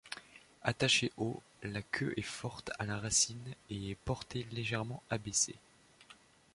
Attachée haut, la queue est forte à la racine et est portée légèrement abaissée.